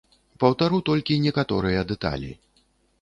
Паўтару толькі некаторыя дэталі.